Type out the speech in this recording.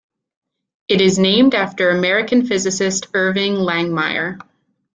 It is named after American physicist Irving Langmuir.